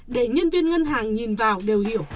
để nhân viên ngân hàng nhìn vào đều hiểu